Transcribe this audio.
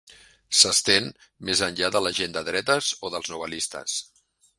S'estén més enllà de la gent de dretes o dels novel·listes.